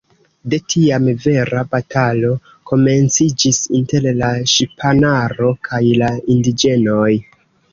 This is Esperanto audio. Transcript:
De tiam, vera batalo komenciĝis inter la ŝipanaro kaj la indiĝenoj.